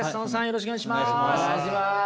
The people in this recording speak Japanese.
よろしくお願いします。